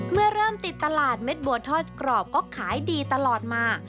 เมื่อเริ่มติดตลาดเม็ดบัวทอดกรอบก็ขายดีตลอดมา